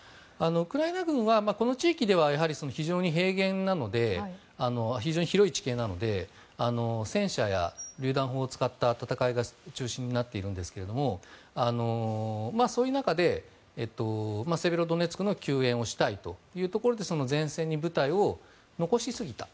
ウクライナ軍はこの地域では非常に平原なので非常に広い地形なので戦車やりゅう弾砲を使った戦いが中心になっていますがそういう中でセベロドネツクの救援をしたいというところでその前線に部隊を残しすぎた。